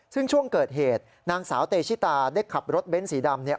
ซึ่งช่วงเกิดเหตุนางสาวเตชิตาได้ขับรถเบ้นสีดำเนี่ย